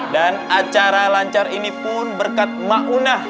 dan acara lancar ini pun berkat ma'unah